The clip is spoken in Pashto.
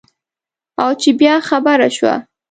او چې بیا خبره شوه.